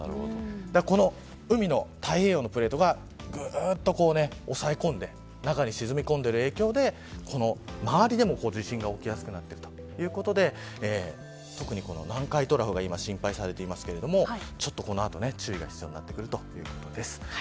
この太平洋のプレートが押さえ込んで中に沈み込んでいる影響で周りでも地震が起きやすくなっているということでこの南海トラフが今、心配されていますがこの後、注意が必要になってくるということです。